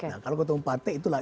nah kalau ketua umum partai itulah